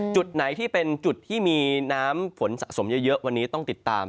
จุดไหนที่เป็นจุดที่มีน้ำฝนสะสมเยอะวันนี้ต้องติดตาม